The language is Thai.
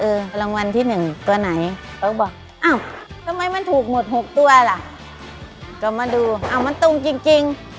เอามาดูเอามาตรงจริง